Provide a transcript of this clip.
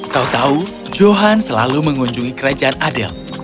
kau tahu johan selalu mengunjungi kerajaan adel